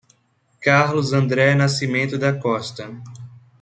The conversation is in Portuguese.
Carlos André Nascimento da Costa